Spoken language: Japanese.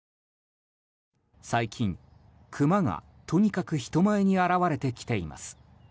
最近、クマがとにかく人前に現れてきています。